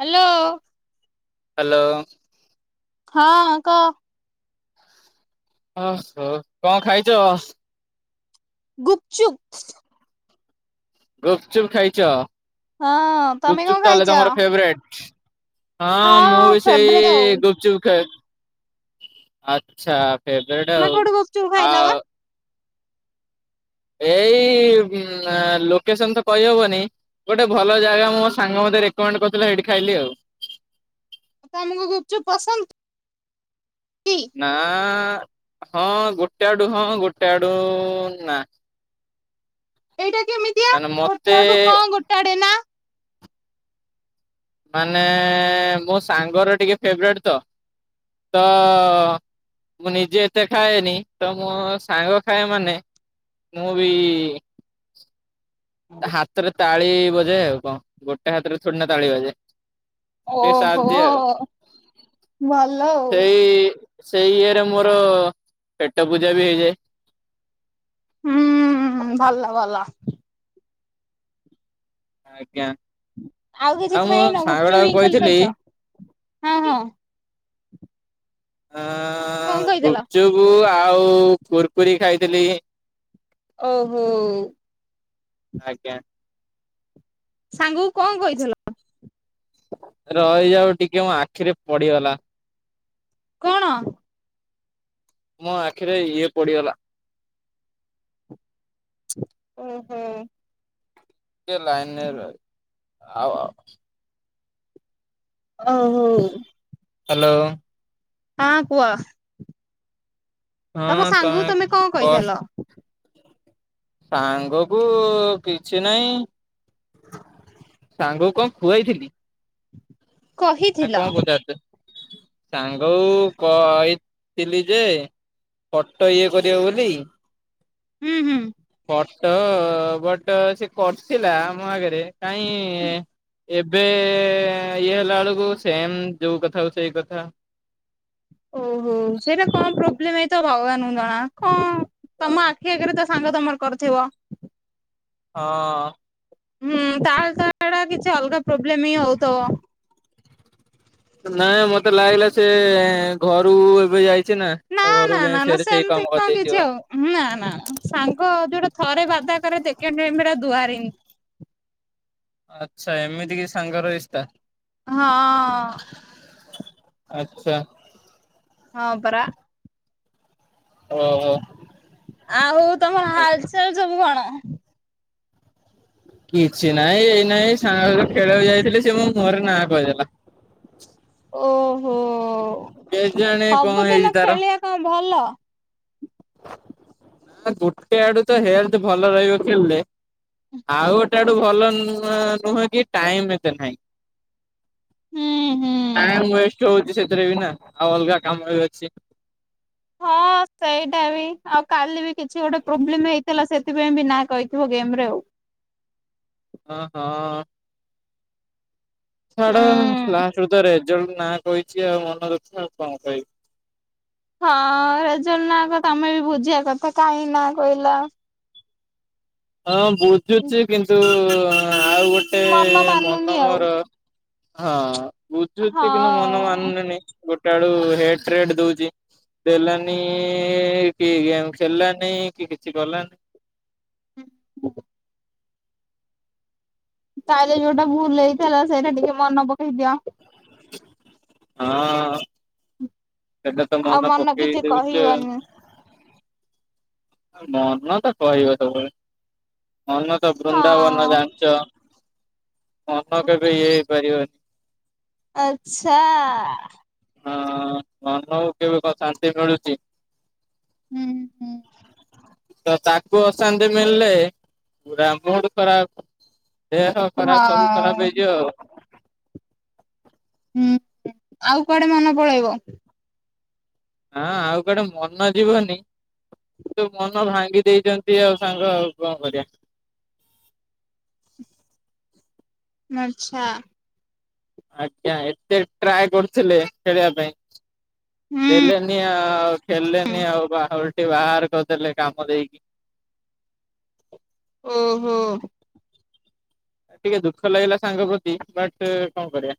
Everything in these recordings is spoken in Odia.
ହ୍ୟାଲୋ। ହ୍ୟାଲୋ। ହଁ କହ? ଓ ହୋ କଣ ଖାଇଛ? ଗୁପଚୁପ। ଗୁପଚୁପ୍ ଖାଇଛ ହଁ ତମେ କଣ ଗୁପଚୁପ୍ ତାହଲେ ଖାଇଛ? ତମର ଫେବରେଟ୍। ହଁ ମୁଁ ବି ସେଇ ଫେବରେଟ ଆଉ ଗୁପଚୁପ ଖାଏ ଆଛା। ଫେବରାଟ୍ ତମେ ଆଉ କୋଉଠୁ ଗୁପଚୁପ୍ ଆ ଖାଇଲ ବା ଏଇ ଉଁମ ଆଁ ଲୋକେସନ୍ ତ କହିହବନି। ଗୋଟେ ଭଲ ଜାଗା ମୋ ସାଙ୍ଗ ମତେ ରେକମେଣ୍ଡ କରିଥିଲା ସେଇଠି ଖାଇଲି ଆଉ ତମକୁ ଗୁପଚୁପ ପସନ୍ଦ? କି? ନା ହଁ ଗୋଟେ ଆଡୁ ହଁ ଗୋଟେ ଆଡୁ ନା। ଏଇଟା କେମିତିଆ ମାନେ ଗୋଟେ ମତେ ଆଡୁ ହଁ ଗୋଟେଆଡେ ନା? ମାନେ ମୋ ସାଙ୍ଗର ଟିକେ ଫେବରେଟ୍ ତ ତ ମୁଁ ନିଜେ ଏତେ ଖାଏନି ତ ମୋ ସାଙ୍ଗ ଖାଏ ମାନେ ମୁଁ ବି ହାତରେ ତାଳି ବଜାଏ ଆଉ କଣ ଗୋଟେ ହାତରେ ଥୋଡ଼ି ନା ତାଳି ବାଜେ। ସେ ଓହୋ ସାଦ ଆଉ ଭଲ ଆଉ। ସେଇ ସେଇ ଇଏରେ ମୋର ପେଟ ପୂଜା ବି ହେଇଯାଏ। ହୁଁ ଉଁ ଭଲ ଭଲ। ଆଜ୍ଞା। ଆଉ କିଛି ମୁଁ ଖାଇନ ସାଙ୍ଗ ଗୁପଚୁପ ଟାକୁ ହିଁ ଖାଲି କହିଥିଲି ଖଇଚ ହଁ ହଁ। କଁ କଇଁଥେଲ। ଗୁପଚୁପ ଆଉ କୁରକୁରି ଖାଇଥିଲି। ଓହୋ। ଆଜ୍ଞା। ସାଙ୍ଗକୁ କଣ କହିଥିଲ? ରହିଯାଅ ଟିକେ ମୋ ଆଖିରେ ପଡିଗଲା। କଣ? ମୋ ଆଖିରେ ଇଏ ପଡିଗଲା। ଓହୋ। ଟିକେ ଲାଇନ୍ ରେ ରହି ଆଉ ଆଉ। ଅ ହଉ। ହାଲୋ। ହଁ କୁଅ। ତମ ସାଙ୍ଗକୁ ତମେ କଣ କହିଥେଲ? ସାଙ୍ଗ କୁ କିଛି ନାଇଁ। ସାଙ୍ଗକୁ କଣ ଖୁଆଇଥିଲି? ନା କହିଥିଲ? କଣ ପଚାରୁଚ, ସାଙ୍ଗକୁ କହିଥିଲି ଯେ। ଫଟୋ ଇଏ କରିବ ବୋଲି। ହୁଁ ହୁଁ। ଫଟୋ ଭଟ ସେ କରିଥିଲା, ମୋ ଆଗରେ କାଇଁ। ଏବେ ଇଏ ହେଲା ବେଳକୁ ସେମ୍ ଯୋଉ କଥା କୁ ସେଇ କଥା। ଓହୋ ସେଇଟା କଣ ପ୍ରୋବ୍ଲେମ ହେଇଥବ ଭଗବାନ ଙ୍କୁ ଜଣା କଣ ତମ ଆଖି ଆଗରେ ତ ସାଙ୍ଗ ତମର କରିଥିବ। ହଁ। ହୁଁ ତାହେଲେ ତ ହେଡା କିଛି ଅଲଗା ପ୍ରୋବ୍ଲେମ ହିଁ ହଉଥବ। ନାଇଁ ମତେ ଲାଗିଲା ସେ ଘରକୁ ଏବେ ଯାଇ ଛି ନା ତ ନା ଘରକୁ ଯାଇ ନା ନା ଫେରେ ସେଇ ସେମିତି କାମ କଣ କିଛି କରିଦେଇଥିବ। ଆଉ ନା ନା ସାଙ୍ଗ ଯୋଉଟା ଥରେ ବାଦା କରେ ସେକେଣ୍ଡ ଟାଇମ୍ ରେ ଆଉ ଦୁଆରେ ନି। ଆଚ୍ଛା ଏମିତି କି ସାଙ୍ଗର ରିସ୍ତା। ହଁ। ଆଚ୍ଛା। ହଁ ପରା। ଓହୋ। ଆଉ ତମର ହାଲଚାଲ ସବୁ କଣ? କିଛି ନାଇଁ ଏଇ ନାଇଁ ସାଙ୍ଗ ଖେଳଆକୁ ଯାଇଥିଲି ସେ ମୋ ମୁହଁ ରେ ନା କହିଦେଲା। ଓହୋ କେଜାଣି କଣ ହେଇଛି ସବୁଦିନ ତାର ଖେଳିଆ କଣ ଭଲ। ନା ଗୋଟେ ଆଡୁ ତ ହେଲଥ୍ ଭଲ ରହିବ ଖେଳିଲେ। ଆଉ ଗୋଟେ ଆଡୁ ଭଲ ନୁ ନୁହେଁ କି ଟାଇମ୍ ଏତେ ନାହିଁ। ହୁଁ ହୁଁ ଟାଇମ୍ ୱେଷ୍ଟ ହଉଚି ସେଥିରେ ବି ନା ଆଉ ଅଲଗା କାମ ବି ଅଛି। ହଁ। ସେଇଟା ବି ଆଉ କାଲି ବି କିଛି ଗୋଟେ ପ୍ରୋବ୍ଲେମ ହେଇଥିଲା ସେଥିପାଇଁ ବି ନାଁ କହିଥିବ ଗେମରେ ଆଉ। ହଁ ହଁ। ଛ। ଡ ହୁଁ। ଲାଷ୍ଟରୁ ତ ରେଜଲ୍ଟ ନାଁ କହିଛି ଆଉ ମନ ଦୁଃଖ ଆଉ କଣ କହିବି। ହଁ ରେଜଲ୍ଟ ନାଁ [unintelligible] ତମେ ବି ବୁଝିବା କଥା କାହିଁ ନା କହିଲା। ହଁ ବୁଝୁଛି କିନ୍ତୁ ଆଉ ଗୋଟେ ମନ ମାନୁନି ମନ ଆଉ ମୋର ହଁ ବୁଝୁଛି କିନ୍ତୁ ମନ ହଁ। ମାନୁନି। ଗୋଟେ ଆଡ଼ୁ ହେଡସ୍‌ ରେଟ୍ ଦଉଛି। ଦେଲାନି, କି ଗେମ୍ ଖେଳିଲାନି, କି କିଛି କଲାନି। ତାହାଲେ ଯୋଉଟା ଭୁଲ୍ ହେଇଥିଲା ସେଇଟା ଟିକେ ମନପକେଇ ଦିଅ। ହଁ ସେଇଟା ତ ଆଉ ମନ କିଛି ମନପକେଇ ଦେଉଛି ଆଉ। କହିବନି। ଆଉ ମନ ତ କହିବ ସବୁବେଳେ। ମନ ତ ବୃନ୍ଦାବନ ହଁ ଜାଣିଛ। ମନ କେବେ ଇଏ ହେଇପାରିବନି। ଆଚ୍ଛା। ହଁ ମନକୁ କେବେ କଣ ଶାନ୍ତି ମିଳୁଛି। ହୁଁ ହୁଁ। ତ ତାକୁ ଅଶାନ୍ତି ମିଳିଲେ ପୁରା ମୁଡ୍ ଖରାପ। ଦେହ ଖରାପ, ସବୁ ଖରାପ ହଁ ହେଇଯିବ ଆଉ। ଉଁ ହୁଁ ଆଉ କୁଆଡେ ମନ ପଳେଇବ? ଆଁ ଆଉ କୁଆଡେ ମନ ଯିବନି କିନ୍ତୁ ମନ ଭାଙ୍ଗି ଦେଇଛନ୍ତି ଆଉ ସାଙ୍ଗ ଆଉ କଣ କରିବା। ଆଚ୍ଛା। ଆଜ୍ଞା ଏତେ ଟ୍ରାଏ କରୁଥିଲେ ଖେଳିବା ପାଇଁ ହୁଁ। ଦେଲେନି ଆଉ, ଖେଳିଲେନି ଆଉ ବା ଓଲଟି ବାହାର କରିଦେଲେ କାମ ଦେଇକି। ଓହୋ। ଟିକେ ଦୁଃଖ ଲାଗିଲା ସାଙ୍ଗ ପ୍ରତି ବଟ୍ କଣ କରିବା।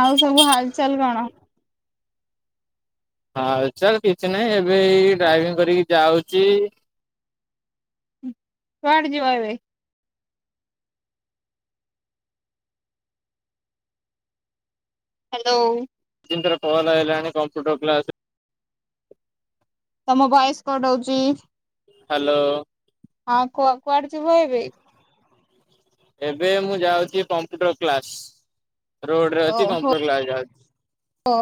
ଆଉ ସବୁ ହାଲଚାଲ୍ କଣ? ହାଲଚାଲ୍ କିଛି ନାହିଁ ଏବେ ଏଇ ଡ୍ରାଇଭିଂ କରିକି ଯାଉଛି। କୁଆଡେ ଯିବ ଏବେ? ହାଲୋଉ। ତିନିଥର କଲ୍ ଆଇଲାଣି କମ୍ପ୍ୟୁଟର କ୍ଲାସ୍ ତମ ଭଏସ୍ କଟ୍ ହଉଛି। ହାଲୋ। ହଁ କୁହ କୁଆଡେ ଯିବ ଏବେ? ଏବେ ମୁଁ ଯାଉଛି କମ୍ପ୍ୟୁଟର କ୍ଲାସ। ରୋଡରେ ଅଛି କମ୍ପ୍ୟୁଟର କ୍ଲାସ ଯାଉଛି। ଓ।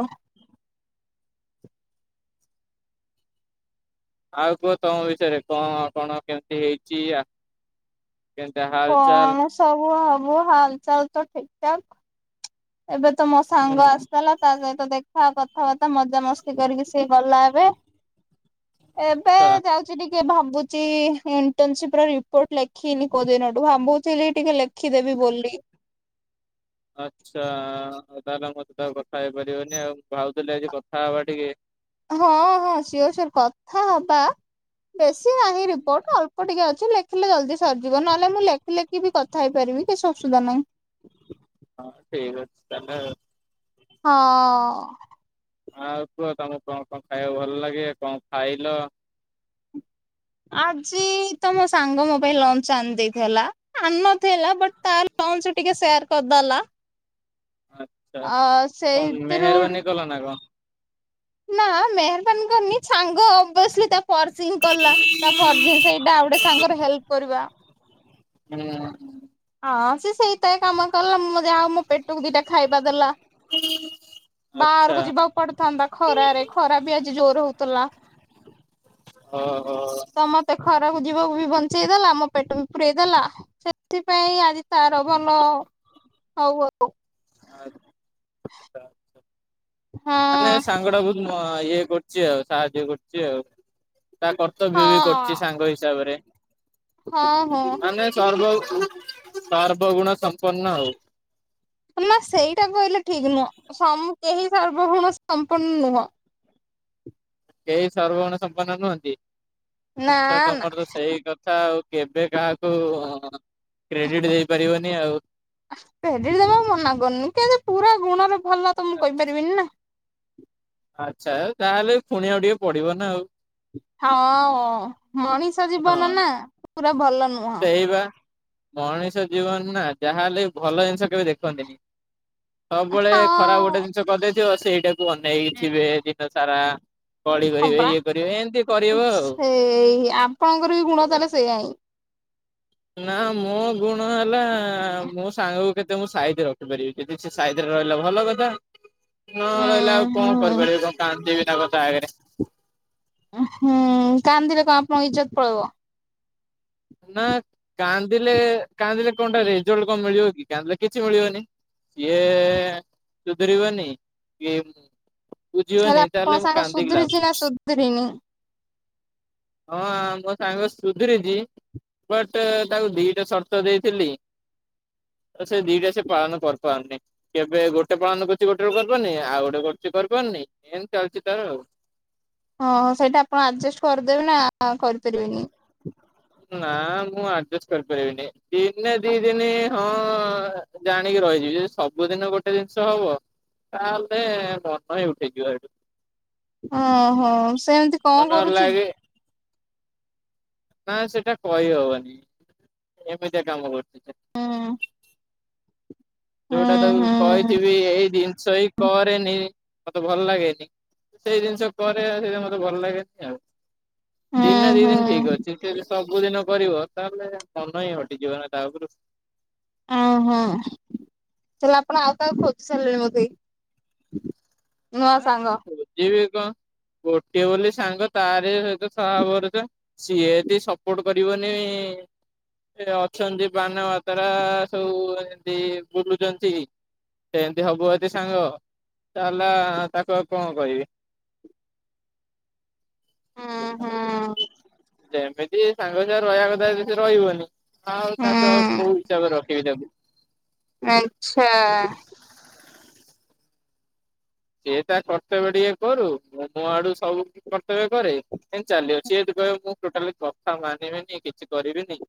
ଆଉ କୁହ ତମ ବିଷୟରେ। କଣ କଣ କେମିତି ହେଇଛି ଆ କେନ୍ତା ହାଲଚାଲ କଣ ସବୁ ହବ ହାଲଚାଲ୍ ତ ଠିକ୍ ଠାକ୍। ଏବେ ତ ମୋ ସାଙ୍ଗ ହୁଁ। ଆସିଥେଲା, ତା ସହିତ ଦେଖ୍ ଖା, କଥାବାର୍ତ୍ତା ମଜାମସ୍ତି କରିକି ସେ ଗଲା ଏବେ। ଏବେ ଆଚ୍ଛା ଯାଉ ଛି ଟିକେ ଭାବୁଛି ଇଣ୍ଟର୍ନସିପର ରିପୋର୍ଟ ଲେଖିନି କୋଉଦିନଠୁ। ଭାବୁଥିଲି ଟିକେ ଲେଖ୍ ଖିଦେବି ବୋଲି। ଆଚ୍ଛା ହଉ ତାହେଲେ ମୋ ସହିତ ଆଉ କଥା ହେଇପାରିବନି ଆଉ। ମୁଁ ଭାବୁଥିଲି ଆଜି କଥା ହବା ଟିକେ। ହଁ ହଁ ସିଓର୍ ସିଓର୍ କଥା ହବା। ବେଶୀ ନାହିଁ ରିପୋର୍ଟ ଅଳ୍ପ ଟିକେ ଅଛି ଲେଖ୍ ହେଲେ ଜଲ୍ଦି ସରିଯିବ ନହେଲେ ମୁଁ ଲେଖି ଲେଖି ବି କଥା ହେଇପାରିବି କିଛି ଅସୁଦା ନାଇଁ। ହଁ ଠିକ୍ ଅଛି ତାହେଲେ ହଁ। ହଁ ଆଉ କୁଅ ତମକୁ କଁ କଁ ଖାଇୟାକୁ ଭଲ ଲାଗେ କଁ ଖାଇଲ? ଆଜି ତମ ସାଙ୍ଗ ମୋ ପାଇଁ ଲଞ୍ଚ ଆଣି ଦେଇଥେଲା। ଆ ନଥିଲା ବଟ୍ ତା ଲଞ୍ଚ ଟିକେ ସେୟାର କରିଦେଲା। ଆଚ୍ଛା ଅ ସେଇ କଣ ତିରୁଡୁ ମେହେରବାନୀ କଲ ନା କଣ? ନା ମେହରବାନ କରନି ଛାଙ୍ଗ ଅବସଲି ତା ଫର୍ସିଂ କଲା ତା ଫର୍ଜି ସେଇଟା ଆଉ ଅଟେ ସାଙ୍ଗର ହେଲ୍ପ କରିବା। ଉୁଁ। ହଁ ସେ ସେଇତାଏ କାମ ର୍ ତଲ ମୁ ଯାହା ହଉ ମୋ ପେଟକୁ ଦିଟା ଖାଇବା ଦେଲା ଆଚ୍ଛା ବାହାରୁକୁ ଯିବ ପଡଥାନ୍ତା ଖରାରେ ଖରା ବି ଆଜି ଜୋର ହଉଥିଲା। ଓହୋ। ତ ମତେ ଖରାକୁ ଯିବାକୁ ବି ବଞ୍ଚେଇଦେଲା ମୋ ପେଟ ବି ପୁରେଇ ଦେଲା। ସେଥିପାଇଁ ଆଜି ତାର ଭଲ ହଉ ଆଉ। [unintelligible] ମାନେ ସାଙ୍ଗ ଟା ବହୁତ୍ ମହା ଇଏ କରୁଚି ଆଉ ସାହାଯ୍ୟ କରୁଚ଼ି ଆଉ। ତା ହଁ କର୍ତ୍ତବ୍ୟ ବି କରୁଚି ସାଙ୍ଗ ହିସାବରେ ହଁ ହଁ ହଁ ମାନେ ସର୍ବ ସର୍ବ ଗୁଣ ସମ୍ ସପନ ଆଉ। ମା ସେଇଟା କହିଲେ ଠିକି ନୁହଁ କେହି ସର୍ବଗୁଣ ସମ୍ପନ୍ ନୁହଁ। କେହି ସର୍ବଗୁଣ ସମ୍ପନ୍ନ ନୁହନ୍ତି ନା ଆଚ୍ଛା ନା ତମର ତ ସେଇ କଥା ଆଉ। କେବେ କାହାକୁ କ୍ରେଡିଟ୍ ଦେଇପାରିବନି ଆଉ। କ୍ରେଡିଟ୍ ଦେବା ମନା କରୁନି କେମିତି ପୁରା ଗୁଣରେ ଭଲ ତ ମୁଁ କଇପାରିବିନି ନା। ଆଚ୍ଛା ତାହେଲେ ପୁଣି ଆଉ ଟିକେ ପଡିବ ନା ଆଉ। ହଁ ଅ ମଣିଷ ଜୀବନ ନା ପୁରା ଭଲ ନୁହଁ। ଏଇ ପା ମଣିଷ ଜୀବନ ନା ଯାହା ହେଲେ ଭଲ ଜିନିଷ କେବେ ଦେଖ୍ ଖନ୍ତିନି ସବୁବେଳେ ଖରାପ ହଁ ଗୋଟେ ଜିନିଷ କରିଦେଇଥିବ ସେଇଟାକୁ ଅନେଇଥିବେ। ସାରା କଳି ହଁ କରିବେ ପରା ଇଏ କରିବେ ଏମିତି କରିବ ଆଉ। ସେଆଇଁ। ନା ମୋ ଗୁଣ ହେଲା ମୋ ସାଙ୍ଗକୁ କେ ତେ ମୁଁ ସାଇଟିରେ ରଖିପାରିବି ଯଦି ସେ ସାଇତିରେ ରହିଲା ଭଲ କଥା ନ ଉଁ ରହିଲା ଆଉ କଁ ହୁଁ କରିପାରିବି କାନ୍ଦି ବିନା କଁ ତା ଆଗରେ। ହୁଁ କାନ୍ଦିଲେ କଁ ଆପଣଙ୍କ ଇଜତ ପଳେଇବ। ନା କାନ୍ଦିଲେ କାନ୍ଦିଲେ କଁଟା ରେଜଲ୍ଟ କଁ ମିଳିବ କି କାନ୍ଦିଲେ କିଛି ମିଳିବନି। ସିଏ ସୁଧରିବନି କି ହେଲେ ବୁଝିବନି ଆପଣଙ୍କ ତାଏଲେ ମୁଁ ସାଙ୍ଗ କାନ୍ଦିିକ ଲାଭ ସୁଧୁରିଛି ନା କ ସୁଧୁରିନି। ହଁ ଆମ ସାଙ୍ଗ ସୁଧୁରିଚି। ବଟ୍ ତାକୁ ଦିଟା ସର୍ତ ଦେଇଥିଲି। ତ ସେ ଦିଟା ସେ ପାଳନ କରି ପାରୁନି। କେବେ ଗୋଟେ ପାଳନ କରୁଚି ଗୋଟେ ରୁ କରିପାରନି ଆଉ ଗୋଟେ କରୁଚି କରିପାରୁନି ଏମିତି ଚାଲିଚି ତାର ଆଉ। ହଁ ସେଇଟା ଆପଣ ଆଡଜେଷ୍ଟ କରିଦେବେ ନା କରିପାରିବେନି? ନା ମୁଁ ଆଡଜଷ୍ଟ କରିପାରିବିନି ଦିନେ ଦି ଦିନି ହଁ। ଜାଣିକି ରହିଯିବି ଯେଦି ସବୁଦିନ ଗୋଟେ ଜିନିଷ ହବ ତାହେଲେ ମନହିଁ ଉଠେଇଯିବ ସେଠୁ ଅଁହଁ ସେମିତି କଁ ମନ କରୁଚ଼ି। ଲାଗେ ନା ସେଟା କହିହବନି ଏମିତିଆ କାମ କରୁଛି। ହଁ। ଯୋଉଟା ତାକୁ ହୁଁ କହିଥିବି ଏଇ ଜିନିଷ ହିଁ କରେନି ମତେ ଭଲ ଲାଗେନି। ସେଇ ଜିନିଷ କରେ ସେଇା ମତେ ଭଲ ଲାଗେନି ଆଉ ହୁଁ ଦିନ ନା ଦି ହୁଁ ଦିନ ଠିକ ଅଛି। ଟିକେ ବି ସବୁଦିନ କରିବ ତାହେଲେ ମନ ହିଁ ହଟିଯିବ ନା ତା ଉପରୁ। ଅ ହଁ ତାହାଲେ ଆପଣ ଆଉ କାହାକୁ ଖୋଜିସାରିଲେଣି ବୋଧେ। ନୁଆ ସାଙ୍ଗ। ଯିବି କଣ ଗୋଟିଏ ବୋଲି ସାଙ୍ଗ ତାରି ସହିତ ସ ସିଏ ତ ସପୋର୍ଟ କରିବନି। ଏ ଅଛନ୍ତି ବାଣ ମା ତାରା ସବୁ ଏମତି ବୁଲୁଛନ୍ତି। ସେମିତି ହବୁ ଅଛି ସାଙ୍ଗ ତାହେଲେ ତାକୁ ଆଉ କଣ କହିବି। ହୁଁ ହୁଁ ଯେମିତି ସାଙ୍ଗ ହିସାବରେ ରହିବା କଥା ସେ ରହିବନି। ହଁ ଆଉ ତାଠୁ ଆଉ ହୁଁ। କୋଉ ହିସାବରେ ରଖିବି ତାକୁ। ଆଛା। ସେ ତା କର୍ତ୍ତବ୍ୟ ଟିକେ କରୁ ମୁ ମଁ ଆଡୁ ସବୁ କି କର୍ତ୍ତବ୍ୟ କରେ। ସେ ଜଦି କହିବ ମୁଁ ଟୋଟାଲି କଥା ମାନିବିନି କିଛି କରିବିନି।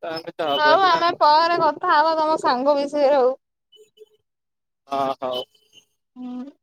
ତା ଆମେ ପରେ କଥା ହବା ତମ ସାଙ୍ଗ ବିଷୟରେ ଆଉ ହଁ ହଉ। ହୁଁ।